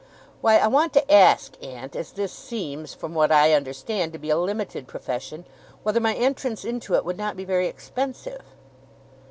'Why, I want to ask, aunt, as this seems, from what I understand, to be a limited profession, whether my entrance into it would not be very expensive?